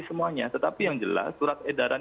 semuanya tetapi yang jelas surat edaran